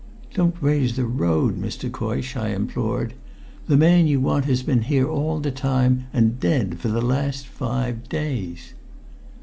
"Don't raise the road, Mr. Coysh!" I implored. "The man you want has been here all the time, and dead for the last five days!"